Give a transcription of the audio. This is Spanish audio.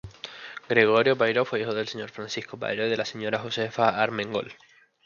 Gregorio Payró, fue hijo del señor Francisco Payró y de la señora Josefa Armengol.